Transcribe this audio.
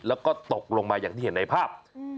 แล้วก็ตกลงมาอย่างที่เห็นในภาพ